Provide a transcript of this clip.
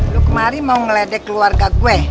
lu kemari mau meledek keluarga gue